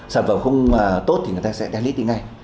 sản phẩm không tốt thì người ta sẽ delete đi ngay